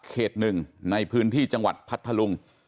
เขต๑ในพื้นที่จังหวัดพัทธาลุง